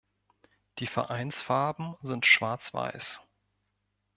Die Vereinsfarben sind schwarz-weiß.